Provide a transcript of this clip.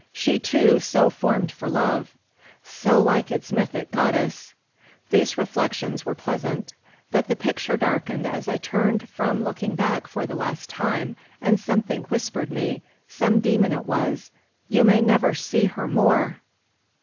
She, too, so formed for love; so like its mythic goddess! These reflections were pleasant. But the picture darkened as I turned from looking back for the last time, and something whispered me, some demon it was, "You may never see her more!"